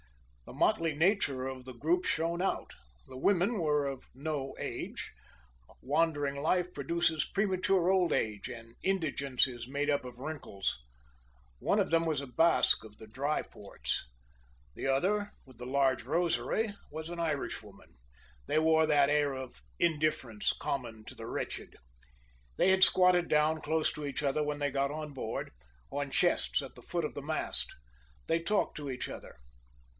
The motley nature of the group shone out. The women were of no age. A wandering life produces premature old age, and indigence is made up of wrinkles. One of them was a Basque of the Dry ports. The other, with the large rosary, was an Irishwoman. They wore that air of indifference common to the wretched. They had squatted down close to each other when they got on board, on chests at the foot of the mast. They talked to each other.